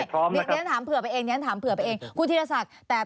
ผมก็โปรดพูดก็เตือนแล้ว